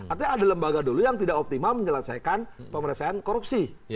artinya ada lembaga dulu yang tidak optimal menyelesaikan pemerintahan korupsi